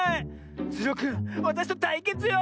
ズルオくんわたしとたいけつよ！